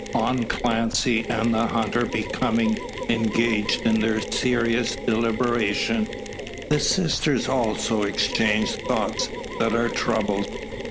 On Clancy and the hunter becoming engaged in their serious deliberation, the sisters also exchange thoughts that are troubled.